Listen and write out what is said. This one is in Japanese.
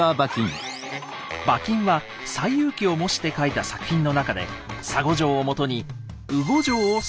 馬琴は「西遊記」を模して書いた作品の中で沙悟淨をもとに「鵜悟淨」を創作します。